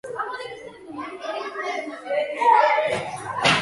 ზოგიერთი პერსონაჟის არსებობა აუცილებელი იყო.